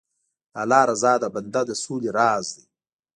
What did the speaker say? د الله رضا د بنده د سولې راز دی.